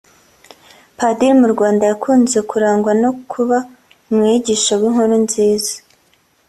Padiri mu Rwanda yakunze kurangwa no kuba umwigisha w’inkuru nziza